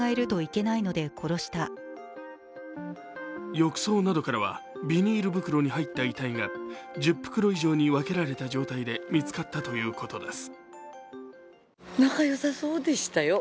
浴槽などからはビニール袋に入った遺体が１０袋以上に分けられた状態で見つかったということです。